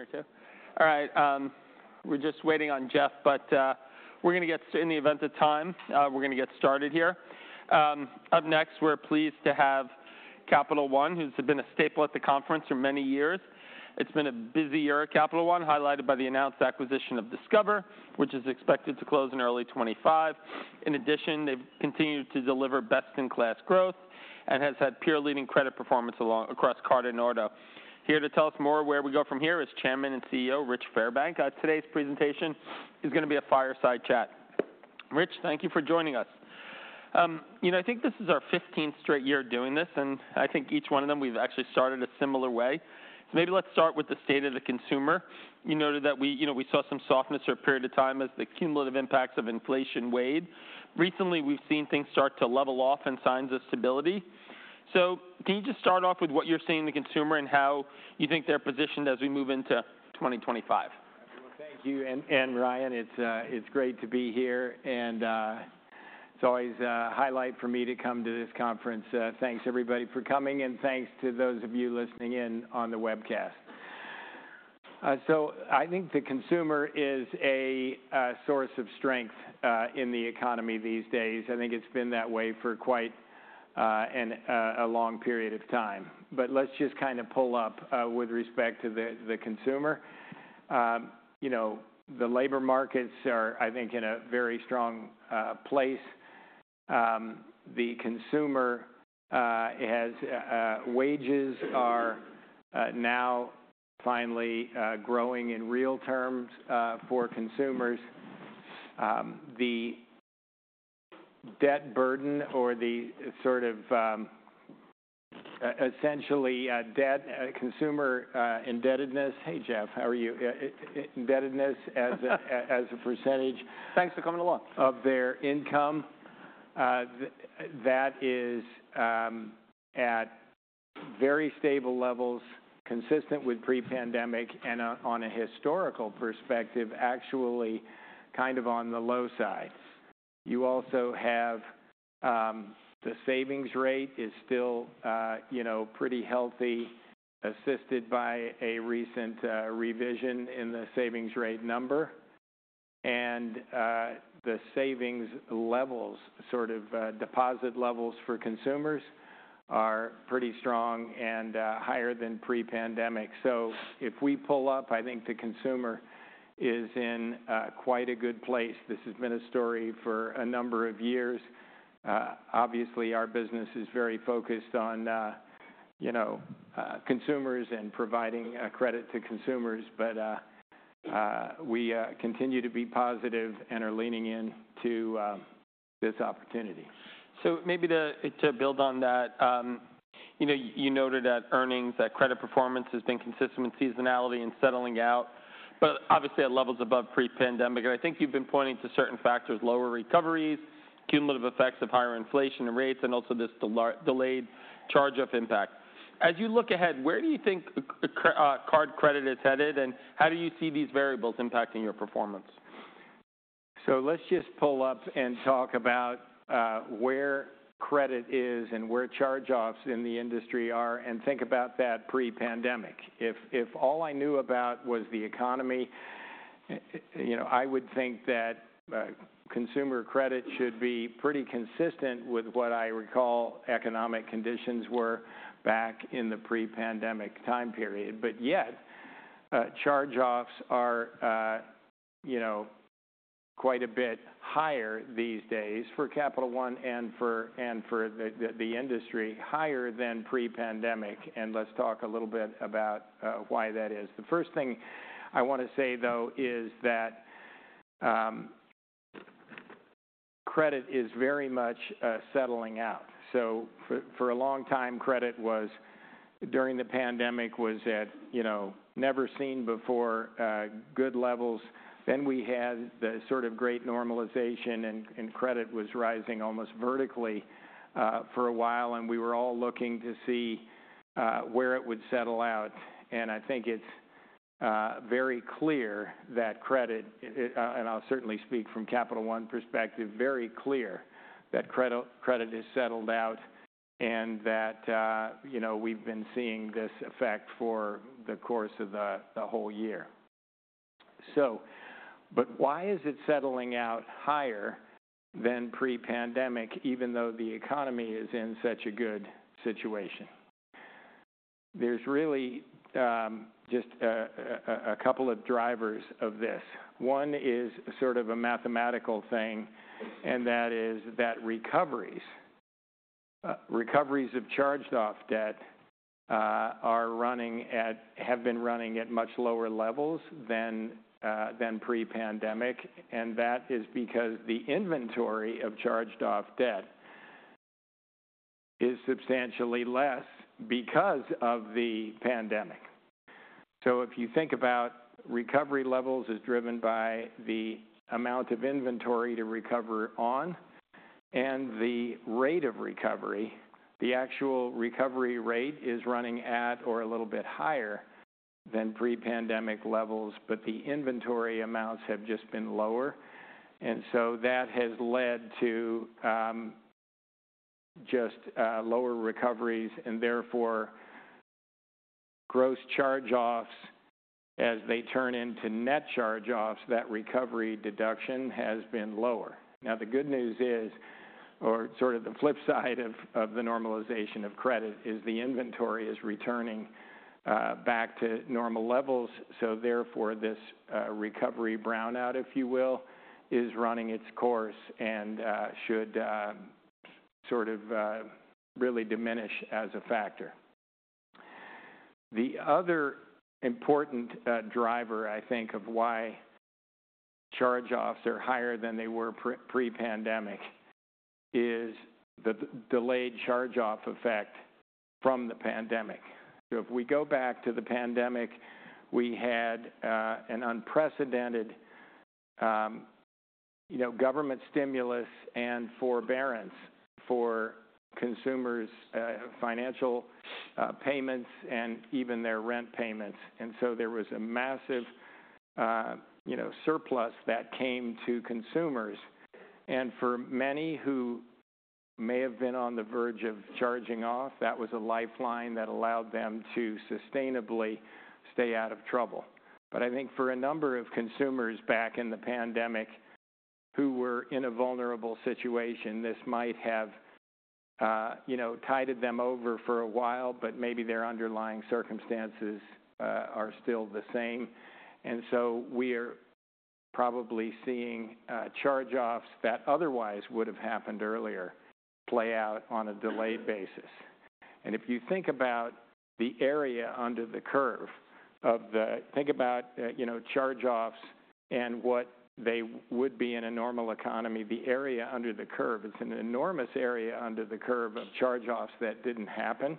One or two? All right. We're just waiting on Jeff, but we're going to get, in the event of time, we're going to get started here. Up next, we're pleased to have Capital One, who's been a staple at the conference for many years. It's been a busy year, Capital One, highlighted by the announced acquisition of Discover, which is expected to close in early 2025. In addition, they've continued to deliver best-in-class growth and have had peer-leading credit performance across card and auto. Here to tell us more where we go from here is Chairman and CEO, Rich Fairbank. Today's presentation is going to be a fireside chat. Rich, thank you for joining us. I think this is our 15th straight year doing this, and I think each one of them we've actually started a similar way. So maybe let's start with the state of the consumer. You noted that we saw some softness for a period of time as the cumulative impacts of inflation waned. Recently, we've seen things start to level off and signs of stability. So can you just start off with what you're seeing in the consumer and how you think they're positioned as we move into 2025? Thank you, and Ryan, it's great to be here. And it's always a highlight for me to come to this conference. Thanks, everybody, for coming, and thanks to those of you listening in on the webcast. So I think the consumer is a source of strength in the economy these days. I think it's been that way for quite a long period of time. But let's just kind of pull up with respect to the consumer. The labor markets are, I think, in a very strong place. The consumer has wages are now finally growing in real terms for consumers. The debt burden, or the sort of essentially debt consumer indebtedness (hey, Jeff, how are you?) indebtedness as a percentage. Thanks for coming along. Of their income, that is at very stable levels, consistent with pre-pandemic, and on a historical perspective, actually kind of on the low side. You also have the savings rate is still pretty healthy, assisted by a recent revision in the savings rate number, and the savings levels, sort of deposit levels for consumers, are pretty strong and higher than pre-pandemic, so if we pull up, I think the consumer is in quite a good place. This has been a story for a number of years. Obviously, our business is very focused on consumers and providing credit to consumers, but we continue to be positive and are leaning into this opportunity. So maybe to build on that, you noted that earnings, that credit performance has been consistent with seasonality and settling out, but obviously at levels above pre-pandemic. And I think you've been pointing to certain factors: lower recoveries, cumulative effects of higher inflation and rates, and also this delayed charge-off impact. As you look ahead, where do you think credit card is headed, and how do you see these variables impacting your performance? Let's just pull up and talk about where credit is and where charge-offs in the industry are and think about that pre-pandemic. If all I knew about was the economy, I would think that consumer credit should be pretty consistent with what I recall economic conditions were back in the pre-pandemic time period. Yet, charge-offs are quite a bit higher these days for Capital One and for the industry, higher than pre-pandemic. Let's talk a little bit about why that is. The first thing I want to say, though, is that credit is very much settling out. For a long time, credit was during the pandemic at never-seen-before good levels. We had the sort of great normalization, and credit was rising almost vertically for a while, and we were all looking to see where it would settle out. I think it's very clear that credit, and I'll certainly speak from Capital One's perspective, very clear that credit has settled out and that we've been seeing this effect for the course of the whole year. But why is it settling out higher than pre-pandemic, even though the economy is in such a good situation? There's really just a couple of drivers of this. One is sort of a mathematical thing, and that is that recoveries of charge-off debt have been running at much lower levels than pre-pandemic. And that is because the inventory of charge-off debt is substantially less because of the pandemic. So if you think about recovery levels as driven by the amount of inventory to recover on and the rate of recovery, the actual recovery rate is running at or a little bit higher than pre-pandemic levels, but the inventory amounts have just been lower. And so that has led to just lower recoveries, and therefore, gross charge-offs, as they turn into net charge-offs, that recovery deduction has been lower. Now, the good news is, or sort of the flip side of the normalization of credit, is the inventory is returning back to normal levels. So therefore, this recovery brownout, if you will, is running its course and should sort of really diminish as a factor. The other important driver, I think, of why charge-offs are higher than they were pre-pandemic is the delayed charge-off effect from the pandemic. So if we go back to the pandemic, we had an unprecedented government stimulus and forbearance for consumers' financial payments and even their rent payments. And so there was a massive surplus that came to consumers. And for many who may have been on the verge of charging off, that was a lifeline that allowed them to sustainably stay out of trouble. But I think for a number of consumers back in the pandemic who were in a vulnerable situation, this might have tided them over for a while, but maybe their underlying circumstances are still the same. And so we are probably seeing charge-offs that otherwise would have happened earlier play out on a delayed basis. And if you think about the area under the curve, think about charge-offs and what they would be in a normal economy, the area under the curve, it's an enormous area under the curve of charge-offs that didn't happen.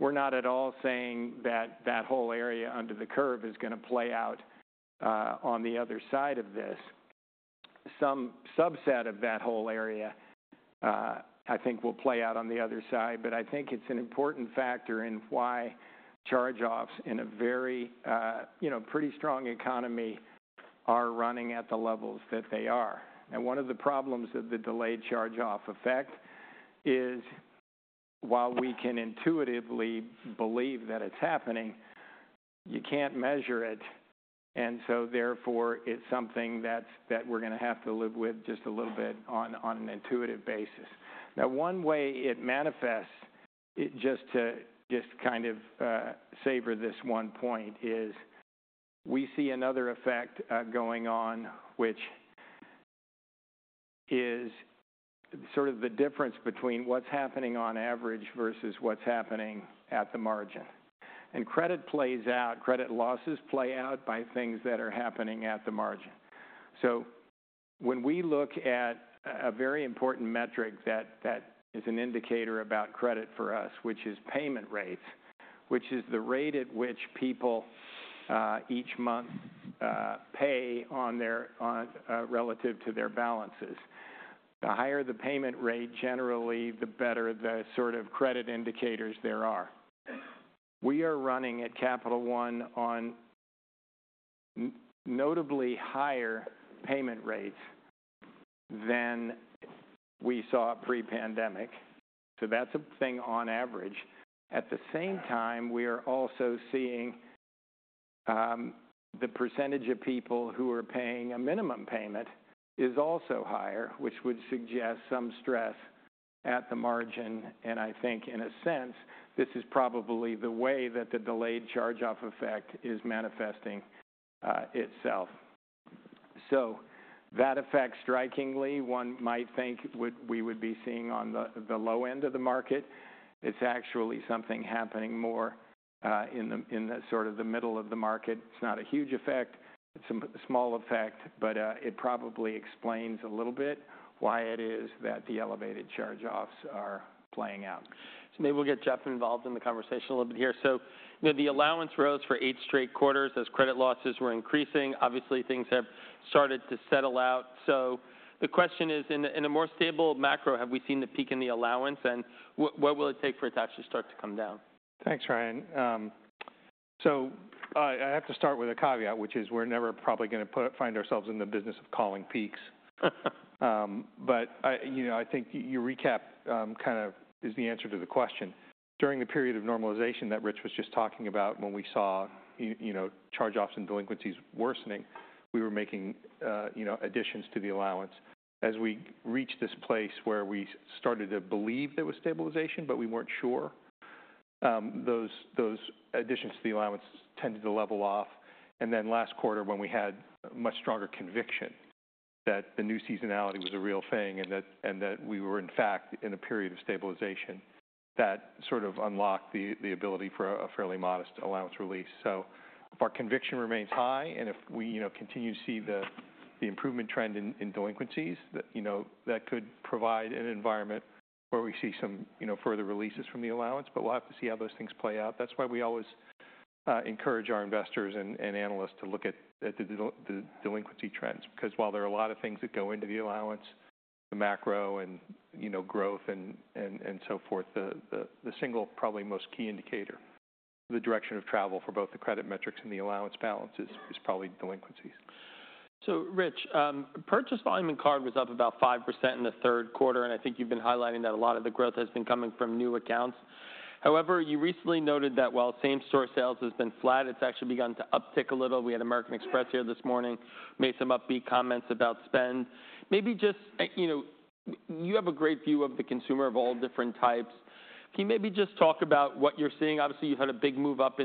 We're not at all saying that that whole area under the curve is going to play out on the other side of this. Some subset of that whole area, I think, will play out on the other side. But I think it's an important factor in why charge-offs in a pretty strong economy are running at the levels that they are. Now, one of the problems of the delayed charge-off effect is, while we can intuitively believe that it's happening, you can't measure it. And so therefore, it's something that we're going to have to live with just a little bit on an intuitive basis. Now, one way it manifests, just to kind of savor this one point, is we see another effect going on, which is sort of the difference between what's happening on average versus what's happening at the margin. And credit plays out, credit losses play out by things that are happening at the margin. So when we look at a very important metric that is an indicator about credit for us, which is payment rates, which is the rate at which people each month pay relative to their balances, the higher the payment rate, generally, the better the sort of credit indicators there are. We are running at Capital One on notably higher payment rates than we saw pre-pandemic. So that's a thing on average. At the same time, we are also seeing the percentage of people who are paying a minimum payment is also higher, which would suggest some stress at the margin. And I think, in a sense, this is probably the way that the delayed charge-off effect is manifesting itself. So that effect, strikingly, one might think we would be seeing on the low end of the market. It's actually something happening more in sort of the middle of the market. It's not a huge effect. It's a small effect, but it probably explains a little bit why it is that the elevated charge-offs are playing out. So maybe we'll get Jeff involved in the conversation a little bit here. So the allowance rose for eight straight quarters as credit losses were increasing. Obviously, things have started to settle out. So the question is, in a more stable macro, have we seen the peak in the allowance, and what will it take for it to actually start to come down? Thanks, Ryan. So I have to start with a caveat, which is we're never probably going to find ourselves in the business of calling peaks. But I think your recap kind of is the answer to the question. During the period of normalization that Rich was just talking about, when we saw charge-offs and delinquencies worsening, we were making additions to the allowance. As we reached this place where we started to believe there was stabilization, but we weren't sure, those additions to the allowance tended to level off. And then last quarter, when we had much stronger conviction that the new seasonality was a real thing and that we were, in fact, in a period of stabilization, that sort of unlocked the ability for a fairly modest allowance release. So if our conviction remains high and if we continue to see the improvement trend in delinquencies, that could provide an environment where we see some further releases from the allowance. But we'll have to see how those things play out. That's why we always encourage our investors and analysts to look at the delinquency trends, because while there are a lot of things that go into the allowance, the macro and growth and so forth, the single, probably most key indicator, the direction of travel for both the credit metrics and the allowance balance, is probably delinquencies. So Rich, purchase volume in card was up about 5% in the third quarter. And I think you've been highlighting that a lot of the growth has been coming from new accounts. However, you recently noted that while same-store sales has been flat, it's actually begun to uptick a little. We had American Express here this morning, made some upbeat comments about spend. Maybe just you have a great view of the consumer of all different types. Can you maybe just talk about what you're seeing? Obviously, you had a big move up to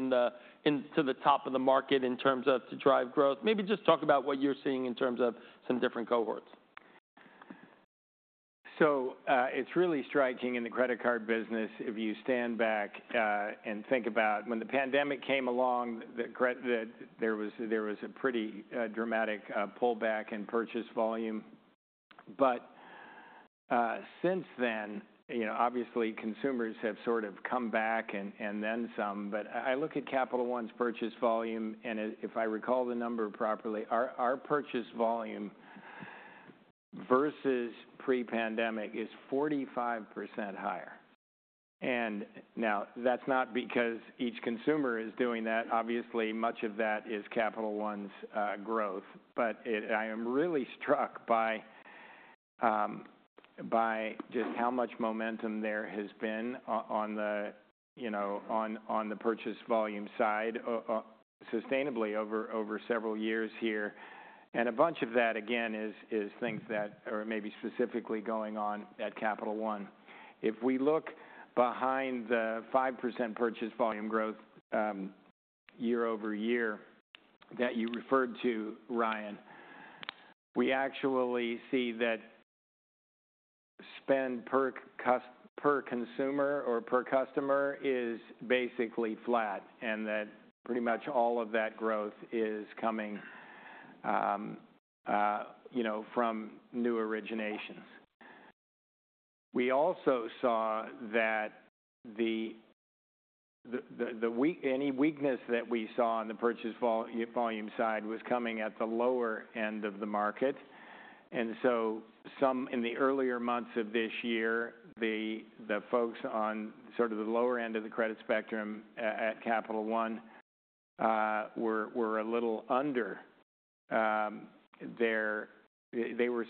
the top of the market in terms of to drive growth. Maybe just talk about what you're seeing in terms of some different cohorts? So it's really striking in the credit card business if you stand back and think about when the pandemic came along. There was a pretty dramatic pullback in purchase volume. But since then, obviously, consumers have sort of come back and then some. But I look at Capital One's purchase volume, and if I recall the number properly, our purchase volume versus pre-pandemic is 45% higher. And now, that's not because each consumer is doing that. Obviously, much of that is Capital One's growth. But I am really struck by just how much momentum there has been on the purchase volume side sustainably over several years here. And a bunch of that, again, is things that are maybe specifically going on at Capital One. If we look behind the 5% purchase volume growth year over year that you referred to, Ryan, we actually see that spend per consumer or per customer is basically flat and that pretty much all of that growth is coming from new originations. We also saw that any weakness that we saw on the purchase volume side was coming at the lower end of the market, and so in the earlier months of this year, the folks on sort of the lower end of the credit spectrum at Capital One were a little under. They were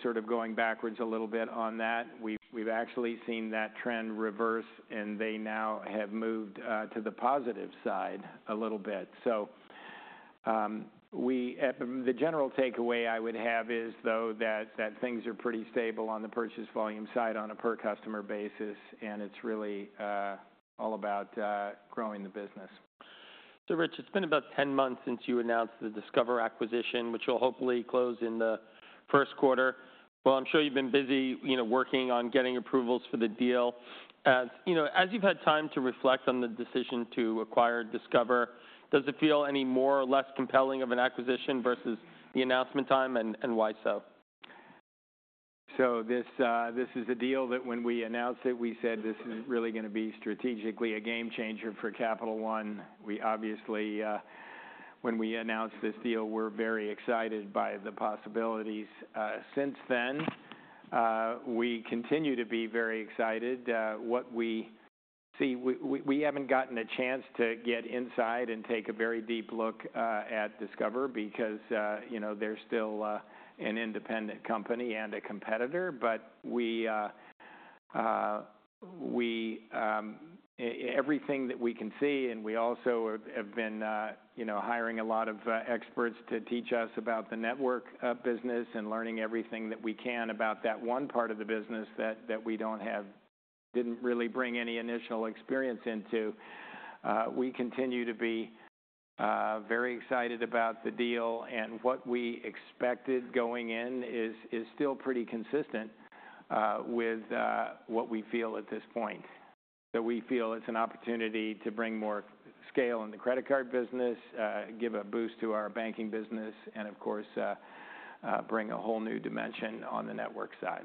sort of going backwards a little bit on that. We've actually seen that trend reverse, and they now have moved to the positive side a little bit. The general takeaway I would have is, though, that things are pretty stable on the purchase volume side on a per-customer basis, and it's really all about growing the business. Rich, it's been about 10 months since you announced the Discover acquisition, which will hopefully close in the first quarter. I'm sure you've been busy working on getting approvals for the deal. As you've had time to reflect on the decision to acquire Discover, does it feel any more or less compelling of an acquisition versus the announcement time, and why so? So this is a deal that when we announced it, we said this is really going to be strategically a game changer for Capital One. Obviously, when we announced this deal, we're very excited by the possibilities. Since then, we continue to be very excited. We haven't gotten a chance to get inside and take a very deep look at Discover because they're still an independent company and a competitor. But everything that we can see, and we also have been hiring a lot of experts to teach us about the network business and learning everything that we can about that one part of the business that we didn't really bring any initial experience into, we continue to be very excited about the deal. And what we expected going in is still pretty consistent with what we feel at this point. So we feel it's an opportunity to bring more scale in the credit card business, give a boost to our banking business, and, of course, bring a whole new dimension on the network side.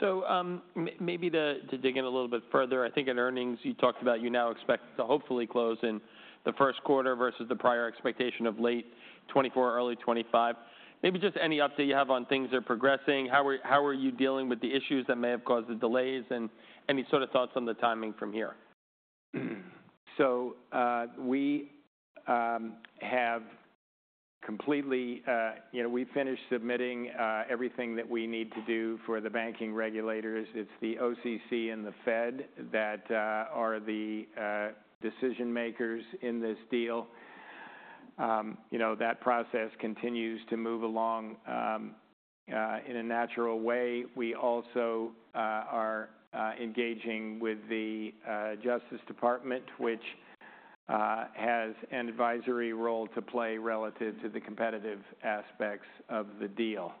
So maybe to dig in a little bit further, I think in earnings, you talked about you now expect to hopefully close in the first quarter versus the prior expectation of late 2024, early 2025. Maybe just any update you have on things that are progressing? How are you dealing with the issues that may have caused the delays and any sort of thoughts on the timing from here? So we have completely finished submitting everything that we need to do for the banking regulators. It's the OCC and the Fed that are the decision-makers in this deal. That process continues to move along in a natural way. We also are engaging with the Justice Department, which has an advisory role to play relative to the competitive aspects of the deal.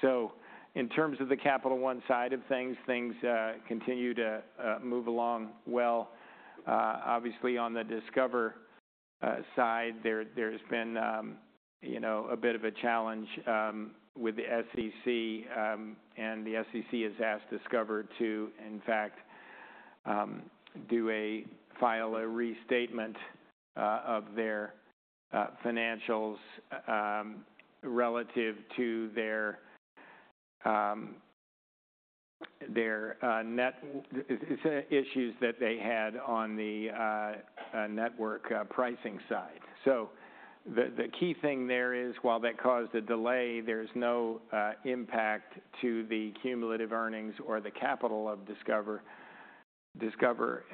So in terms of the Capital One side of things, things continue to move along well. Obviously, on the Discover side, there has been a bit of a challenge with the SEC. And the SEC has asked Discover to, in fact, file a restatement of their financials relative to the issues that they had on the network pricing side. So the key thing there is, while that caused a delay, there is no impact to the cumulative earnings or the capital of Discover. Discover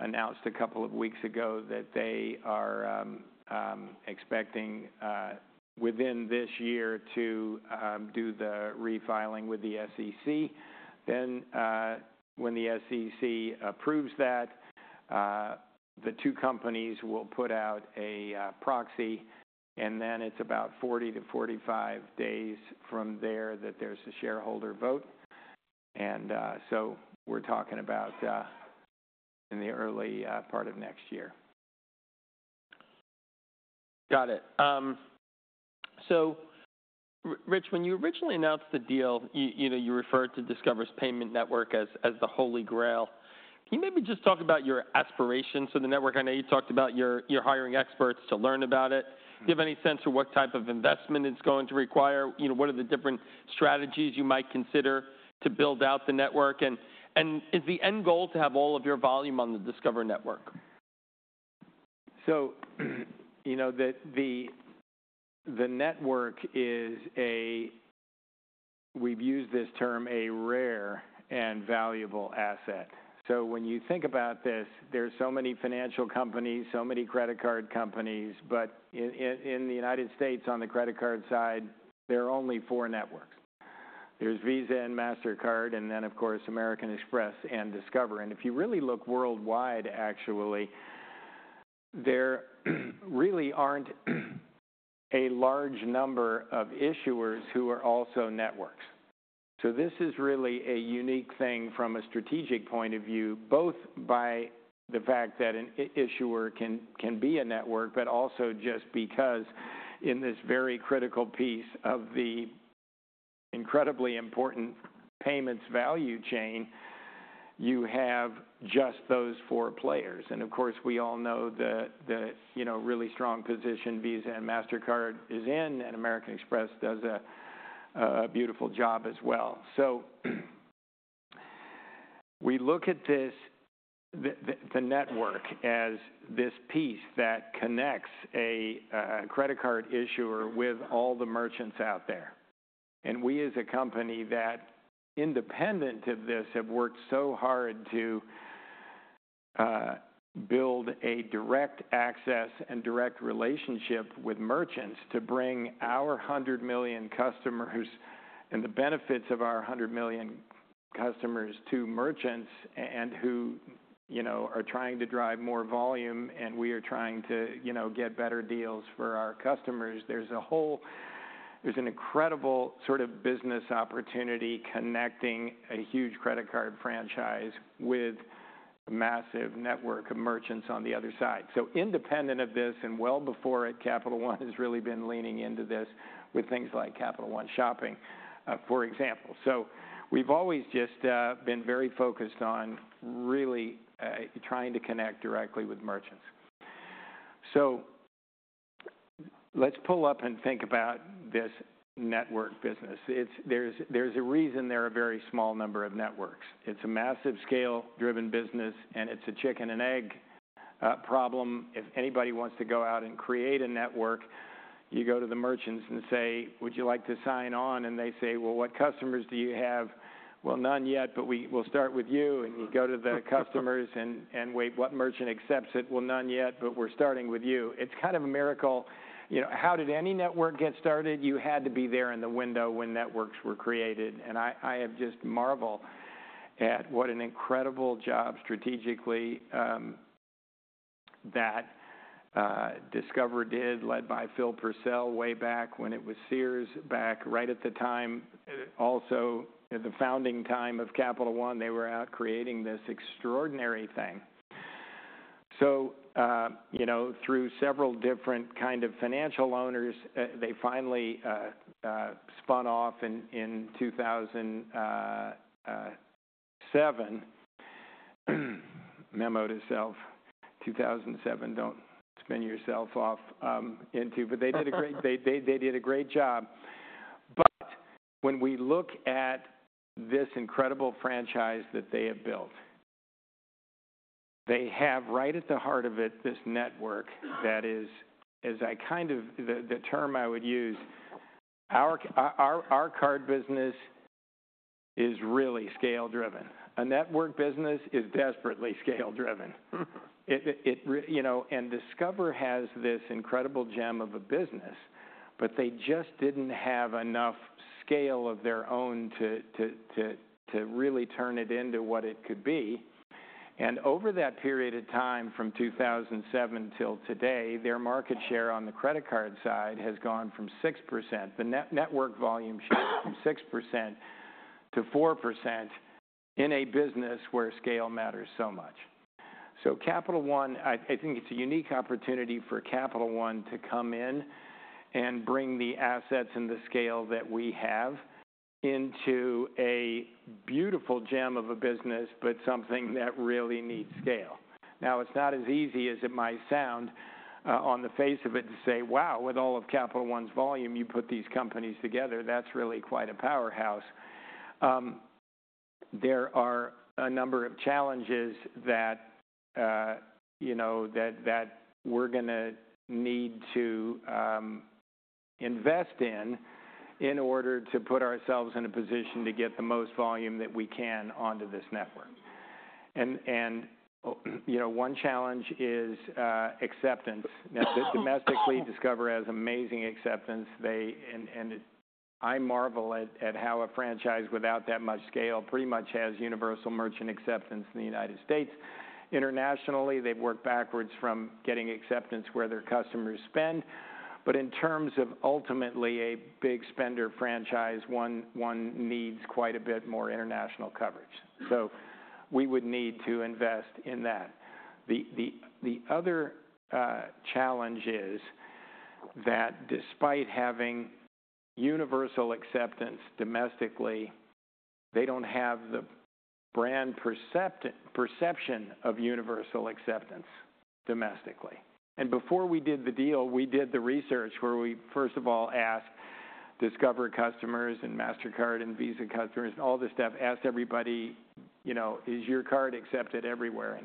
announced a couple of weeks ago that they are expecting within this year to do the refiling with the SEC. Then when the SEC approves that, the two companies will put out a proxy. And then it's about 40-45 days from there that there's a shareholder vote. And so we're talking about in the early part of next year. Got it. So Rich, when you originally announced the deal, you referred to Discover's payment network as the holy grail. Can you maybe just talk about your aspirations for the network? I know you talked about you're hiring experts to learn about it. Do you have any sense for what type of investment it's going to require? What are the different strategies you might consider to build out the network? And is the end goal to have all of your volume on the Discover network? So the network is, we've used this term, a rare and valuable asset. So when you think about this, there are so many financial companies, so many credit card companies. But in the United States, on the credit card side, there are only four networks. There's Visa and Mastercard, and then, of course, American Express and Discover. And if you really look worldwide, actually, there really aren't a large number of issuers who are also networks. So this is really a unique thing from a strategic point of view, both by the fact that an issuer can be a network, but also just because in this very critical piece of the incredibly important payments value chain, you have just those four players. And of course, we all know the really strong position Visa and Mastercard is in, and American Express does a beautiful job as well. So we look at the network as this piece that connects a credit card issuer with all the merchants out there. And we as a company that, independent of this, have worked so hard to build a direct access and direct relationship with merchants to bring our 100 million customers and the benefits of our 100 million customers to merchants who are trying to drive more volume, and we are trying to get better deals for our customers. There's an incredible sort of business opportunity connecting a huge credit card franchise with a massive network of merchants on the other side. So independent of this and well before it, Capital One has really been leaning into this with things like Capital One Shopping, for example. So we've always just been very focused on really trying to connect directly with merchants. So let's pull up and think about this network business. There's a reason there are a very small number of networks. It's a massive scale-driven business, and it's a chicken and egg problem. If anybody wants to go out and create a network, you go to the merchants and say, "Would you like to sign on?" And they say, "Well, what customers do you have?" "Well, none yet, but we'll start with you." And you go to the customers and wait. "What merchant accepts it?" "Well, none yet, but we're starting with you." It's kind of a miracle. How did any network get started? You had to be there in the window when networks were created. And I have just marveled at what an incredible job strategically that Discover did, led by Phil Purcell way back when it was Sears, back right at the time, also the founding time of Capital One. They were out creating this extraordinary thing. So through several different kind of financial owners, they finally spun off in 2007. Memo to self, 2007, don't spin yourself off into. But they did a great job. But when we look at this incredible franchise that they have built, they have right at the heart of it this network that is, as I kind of the term I would use, our card business is really scale-driven. A network business is desperately scale-driven. And Discover has this incredible gem of a business, but they just didn't have enough scale of their own to really turn it into what it could be. And over that period of time from 2007 till today, their market share on the credit card side has gone from 6%. The network volume shift from 6%-4% in a business where scale matters so much. So Capital One, I think it's a unique opportunity for Capital One to come in and bring the assets and the scale that we have into a beautiful gem of a business, but something that really needs scale. Now, it's not as easy as it might sound on the face of it to say, "Wow, with all of Capital One's volume, you put these companies together. That's really quite a powerhouse." There are a number of challenges that we're going to need to invest in in order to put ourselves in a position to get the most volume that we can onto this network. And one challenge is acceptance. Domestically, Discover has amazing acceptance. And I marvel at how a franchise without that much scale pretty much has universal merchant acceptance in the United States. Internationally, they've worked backwards from getting acceptance where their customers spend. But in terms of ultimately a big spender franchise, one needs quite a bit more international coverage. So we would need to invest in that. The other challenge is that despite having universal acceptance domestically, they don't have the brand perception of universal acceptance domestically. And before we did the deal, we did the research where we, first of all, asked Discover customers and Mastercard and Visa customers and all this stuff, asked everybody, "Is your card accepted everywhere?"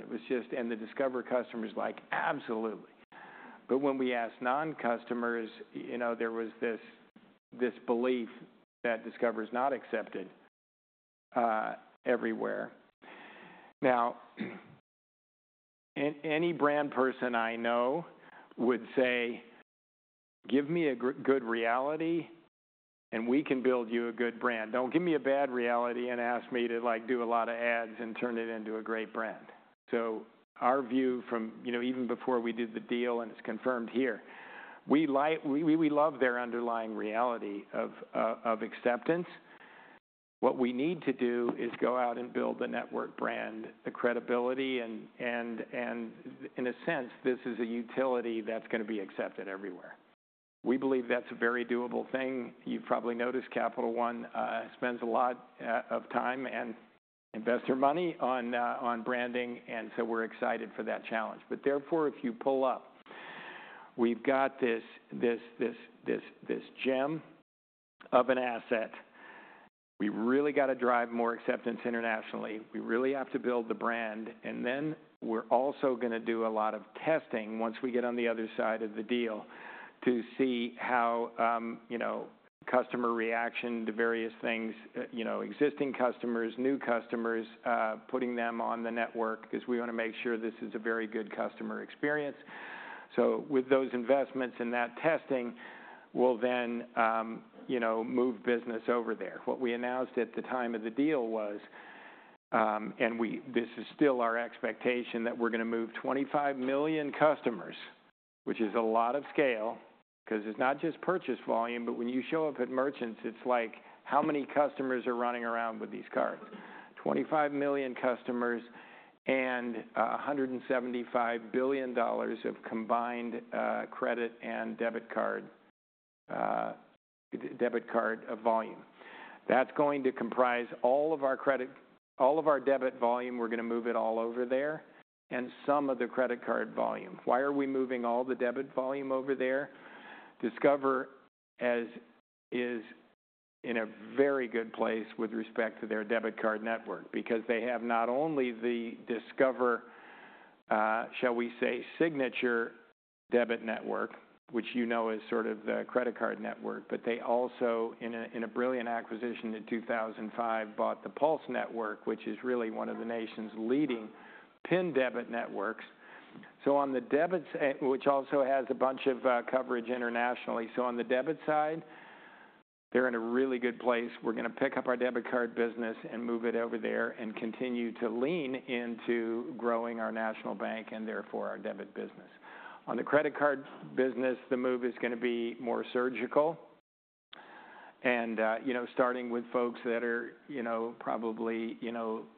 And the Discover customers were like, "Absolutely." But when we asked non-customers, there was this belief that Discover is not accepted everywhere. Now, any brand person I know would say, "Give me a good reality, and we can build you a good brand. Don't give me a bad reality and ask me to do a lot of ads and turn it into a great brand." So our view from even before we did the deal, and it's confirmed here, we love their underlying reality of acceptance. What we need to do is go out and build the network brand, the credibility, and in a sense, this is a utility that's going to be accepted everywhere. We believe that's a very doable thing. You've probably noticed Capital One spends a lot of time and invests their money on branding, and so we're excited for that challenge, but therefore, if you pull up, we've got this gem of an asset. We've really got to drive more acceptance internationally. We really have to build the brand. And then we're also going to do a lot of testing once we get on the other side of the deal to see how customer reaction to various things, existing customers, new customers, putting them on the network because we want to make sure this is a very good customer experience. So with those investments and that testing, we'll then move business over there. What we announced at the time of the deal was, and this is still our expectation, that we're going to move 25 million customers, which is a lot of scale because it's not just purchase volume. But when you show up at merchants, it's like, "How many customers are running around with these cards?" 25 million customers and $175 billion of combined credit and debit card volume. That's going to comprise all of our debit volume. We're going to move it all over there and some of the credit card volume. Why are we moving all the debit volume over there? Discover is in a very good place with respect to their debit card network because they have not only the Discover, shall we say, signature debit network, which you know is sort of the credit card network, but they also, in a brilliant acquisition in 2005, bought the Pulse network, which is really one of the nation's leading PIN debit networks. So on the debit side, which also has a bunch of coverage internationally, so on the debit side, they're in a really good place. We're going to pick up our debit card business and move it over there and continue to lean into growing our national bank and therefore our debit business. On the credit card business, the move is going to be more surgical, and starting with folks that are probably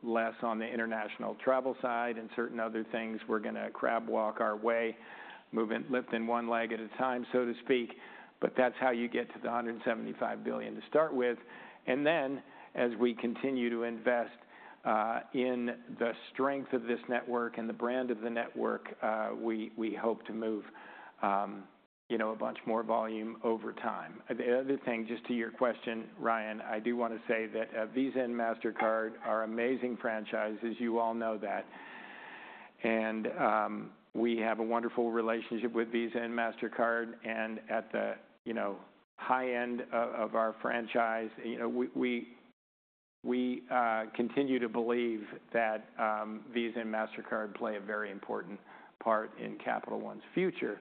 less on the international travel side and certain other things, we're going to crabwalk our way, lifting one leg at a time, so to speak, but that's how you get to the $175 billion to start with, and then as we continue to invest in the strength of this network and the brand of the network, we hope to move a bunch more volume over time. The other thing, just to your question, Ryan, I do want to say that Visa and Mastercard are amazing franchises, you all know that, and we have a wonderful relationship with Visa and Mastercard. At the high end of our franchise, we continue to believe that Visa and Mastercard play a very important part in Capital One's future,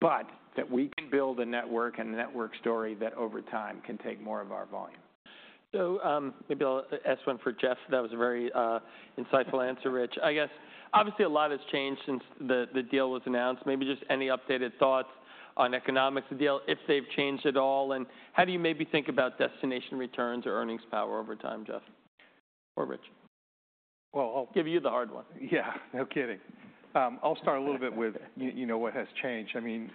but that we can build a network and a network story that over time can take more of our volume. So maybe I'll ask one for Jeff. That was a very insightful answer, Rich. I guess, obviously, a lot has changed since the deal was announced. Maybe just any updated thoughts on economics of the deal, if they've changed at all, and how do you maybe think about destination returns or earnings power over time, Jeff or Rich? Well, I'll give you the hard one. Yeah, no kidding. I'll start a little bit with what has changed. I mean,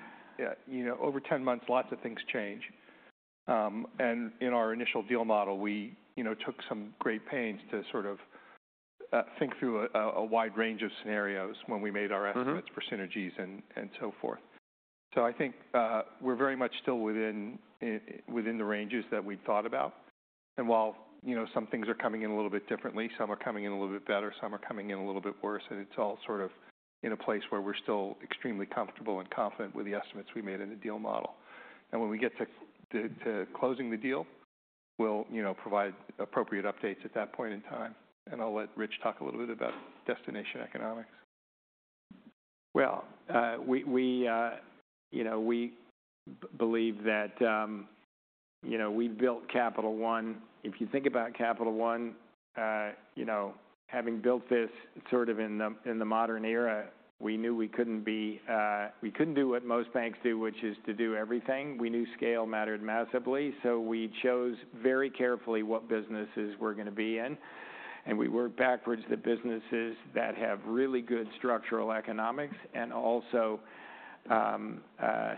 over 10 months, lots of things change. And in our initial deal model, we took some great pains to sort of think through a wide range of scenarios when we made our estimates for synergies and so forth. So I think we're very much still within the ranges that we'd thought about. And while some things are coming in a little bit differently, some are coming in a little bit worse, and it's all sort of in a place where we're still extremely comfortable and confident with the estimates we made in the deal model. And when we get to closing the deal, we'll provide appropriate updates at that point in time. And I'll let Rich talk a little bit about destination economics. We believe that we built Capital One. If you think about Capital One, having built this sort of in the modern era, we knew we couldn't do what most banks do, which is to do everything. We knew scale mattered massively. So we chose very carefully what businesses we're going to be in. And we worked backwards the businesses that have really good structural economics and also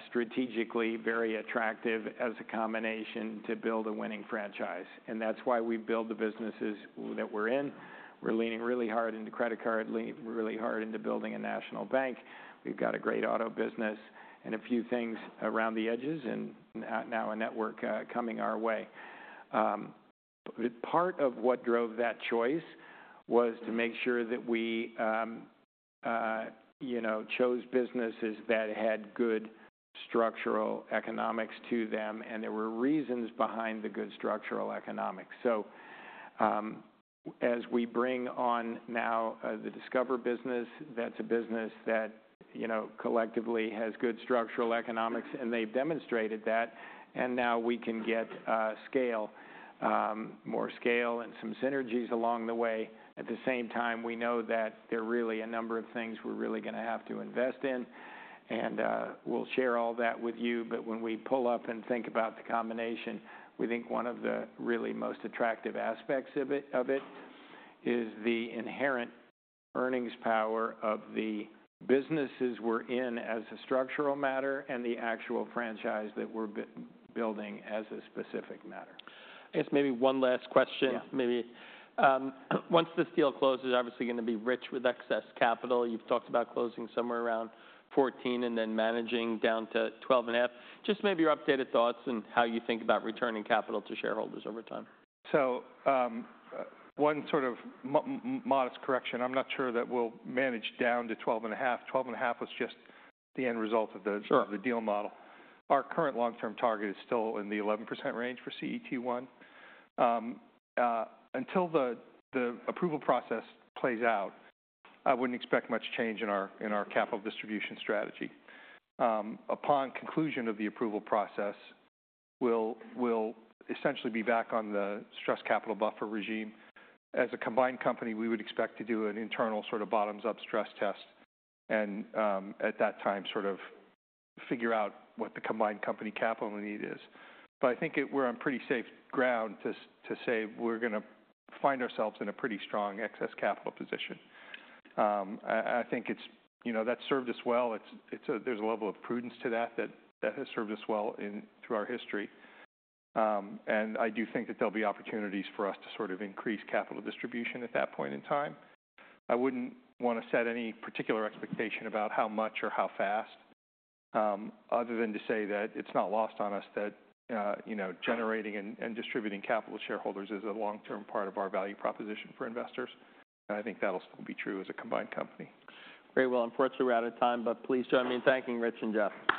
strategically very attractive as a combination to build a winning franchise. And that's why we've built the businesses that we're in. We're leaning really hard into credit card, leaning really hard into building a national bank. We've got a great auto business and a few things around the edges and now a network coming our way. Part of what drove that choice was to make sure that we chose businesses that had good structural economics to them. And there were reasons behind the good structural economics. So as we bring on now the Discover business, that's a business that collectively has good structural economics, and they've demonstrated that. And now we can get scale, more scale, and some synergies along the way. At the same time, we know that there are really a number of things we're really going to have to invest in. And we'll share all that with you. But when we pull up and think about the combination, we think one of the really most attractive aspects of it is the inherent earnings power of the businesses we're in as a structural matter and the actual franchise that we're building as a specific matter. I guess maybe one last question. Maybe once this deal closes, obviously going to be rich with excess capital. You've talked about closing somewhere around 14 and then managing down to 12 and a half. Just maybe your updated thoughts and how you think about returning capital to shareholders over time. So one sort of modest correction. I'm not sure that we'll manage down to 12.5. 12.5 was just the end result of the deal model. Our current long-term target is still in the 11% range for CET1. Until the approval process plays out, I wouldn't expect much change in our capital distribution strategy. Upon conclusion of the approval process, we'll essentially be back on the stress capital buffer regime. As a combined company, we would expect to do an internal sort of bottoms-up stress test and at that time sort of figure out what the combined company capital need is. But I think we're on pretty safe ground to say we're going to find ourselves in a pretty strong excess capital position. I think that's served us well. There's a level of prudence to that that has served us well through our history. I do think that there'll be opportunities for us to sort of increase capital distribution at that point in time. I wouldn't want to set any particular expectation about how much or how fast, other than to say that it's not lost on us that generating and distributing capital to shareholders is a long-term part of our value proposition for investors. I think that'll still be true as a combined company. Very well. Unfortunately, we're out of time, but please join me in thanking Rich and Jeff.